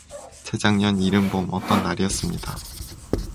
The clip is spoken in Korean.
재작년 이른 봄 어떤 날이었습니다.